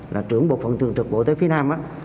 là trưởng bộ phận thường trực bộ y tế phía nam á